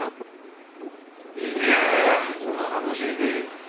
いや頼もしいぜ。